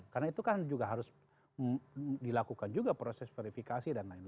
karena itu kan juga harus dilakukan juga proses verifikasi dan lain lain